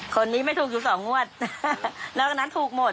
คนนี้ไม่ทูบกว่า๒งวดแล้วก็นั้นทูบหมด